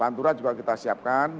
pantura juga kita siapkan